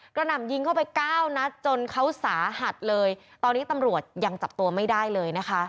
หนำยิงเข้าไปเก้านัดจนเขาสาหัสเลยตอนนี้ตำรวจยังจับตัวไม่ได้เลยนะคะ